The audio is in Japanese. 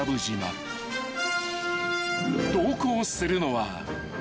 ［同行するのは］